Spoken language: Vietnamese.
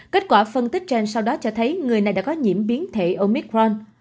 kết quả phân tích trên sau đó cho thấy người này đã có nhiễm biến thể omitron